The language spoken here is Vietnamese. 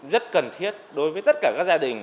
rất cần thiết đối với tất cả các gia đình